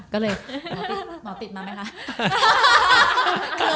เยี่ยมไหมคะ